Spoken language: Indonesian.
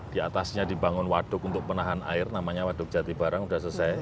di atasnya dibangun waduk untuk penahan air namanya waduk jati barang sudah selesai